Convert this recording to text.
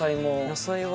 野菜は。